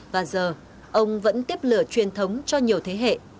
và giờ ông vẫn tiếp lửa truyền thống cho nhiều thế hệ